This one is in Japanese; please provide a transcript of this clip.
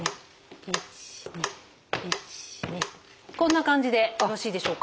こんな感じでよろしいでしょうか。